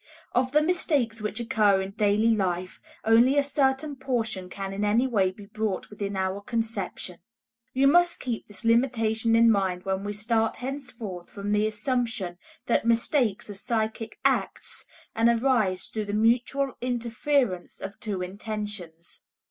Of the mistakes which occur in daily life, only a certain portion can in any way be brought within our conception. You must keep this limitation in mind when we start henceforth from the assumption that mistakes are psychic acts and arise through the mutual interference of two intentions.